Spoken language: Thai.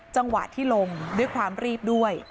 จังหวะที่ลงด้วยความรีบด้วย